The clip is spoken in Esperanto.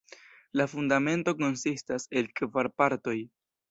La Fundamento konsistas el kvar partoj.